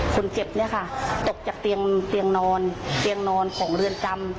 คุณเจ็บเนี่ยค่ะตกจากเตียงเตียงนอนเตียงนอนของเรือนกรรม